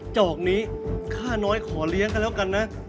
จอกนี้ค่าน้อยขอเลี้ยงกันแล้วกันนะ